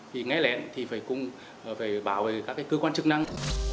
cũng phải bảo vệ các cơ quan chức năng